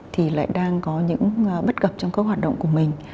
thì lại đang có những bất cập trong các hoạt động của mình